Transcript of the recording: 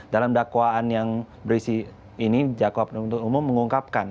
dalam dakwaan yang berisi ini dakwa penuntut umum mengungkapkan